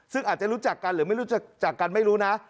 ซึ่งอาจจะรู้จักกันหรือไม่รู้จักกันไม่รู้นะ